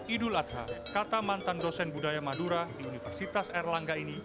idul adha kata mantan dosen budaya madura di universitas erlangga ini